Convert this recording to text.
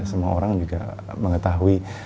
semua orang juga mengetahui